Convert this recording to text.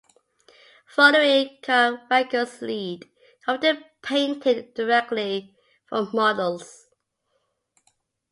Following Caravaggio's lead, he often painted directly from models.